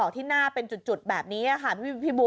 ตอนต่อไป